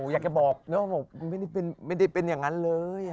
อยากจะบอกไม่ได้เป็นอย่างนั้นเลย